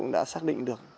đã xác định được